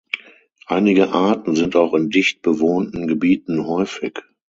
Einige Arten sind auch in dicht bewohnten Gebieten häufig.